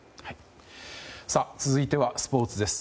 続いてはスポーツです。